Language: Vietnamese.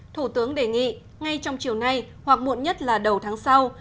thủ tướng đề nghị ngay trong chiều nay hoặc muộn nhất là đầu tháng sau